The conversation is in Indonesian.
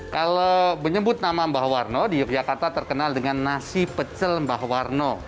kalau menyebut nama mbah warno di yogyakarta terkenal dengan nasi pecel mbah warno